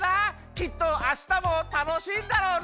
きっとあしたもたのしいんだろうな！